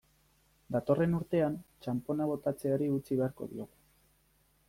Datorren urtean, txanpona botatzeari utzi beharko diogu.